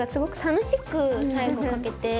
楽しく最後かけて。